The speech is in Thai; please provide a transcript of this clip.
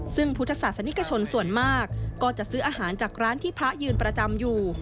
ซึ่งพุทธศาสนิกชนส่วนมากก็จะซื้ออาหารจากร้านที่พระยืนประจำอยู่